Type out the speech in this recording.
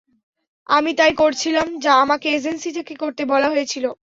আমি তাই করছিলাম যা আমাকে এজেন্সি থেকে করতে বলা হয়েছিল।